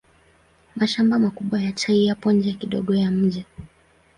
Mashamba makubwa ya chai yapo nje kidogo ya mji.